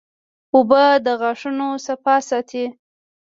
اوبه د غاښونو صفا ساتي